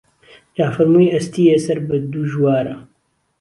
جافەرموی: ئەستیێ سەر بە دوژوارە